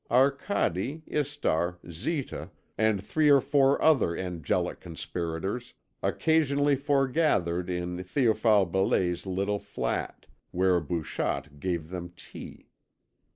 Arcade, Istar, Zita, and three or four other angelic conspirators occasionally foregathered in Théophile Belais' little flat, where Bouchotte gave them tea.